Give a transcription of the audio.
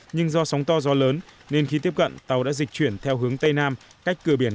nhưng do sóng to gió lớn nên khi tiếp cận tàu đã dịch chuyển theo hướng tây nam cách cửa biển